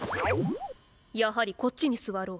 やはりこっちに座ろう。